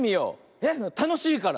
えったのしいから。